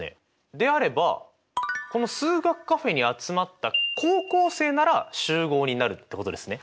であればこの数学カフェに集まった高校生なら集合になるってことですね。